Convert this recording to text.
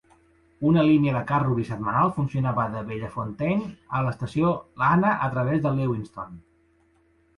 Una línia de carro bisetmanal funcionava de Bellefontaine a l'estació Anna a través de Lewistown.